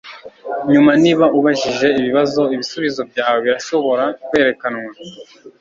nyuma niba ubajije ibibazo ibisubizo byawe birashobora kwerekanwa